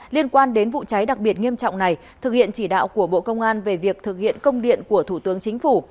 liên quan đến vụ cháy đặc biệt nghiêm trọng này thực hiện chỉ đạo của bộ công an về việc thực hiện công điện của thủ tướng chính phủ